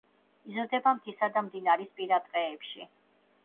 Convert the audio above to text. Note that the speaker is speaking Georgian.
იზრდება მთისა და მდინარისპირა ტყეებში.